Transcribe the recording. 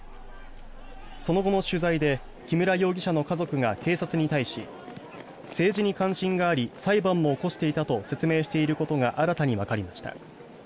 その後の取材で木村容疑者の家族が警察に対し政治に関心があり裁判も起こしていたと説明していることが新たにわかりました。